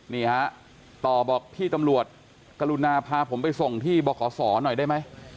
นี่ฮะต่อบอกพี่ตำรวจกรุณาพาผมไปส่งที่บขศหน่อยได้ไหม